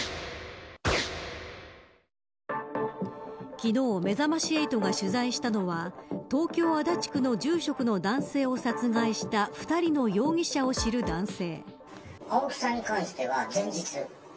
昨日めざまし８が取材したのは東京・足立区の住職の男性を殺害した２人の容疑者を知る男性。